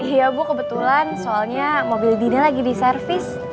iya bu kebetulan soalnya mobil dida lagi di servis